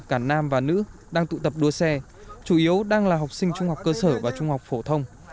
cả nam và nữ đang tụ tập đua xe chủ yếu đang là học sinh trung học cơ sở và trung học phổ thông